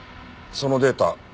そのデータ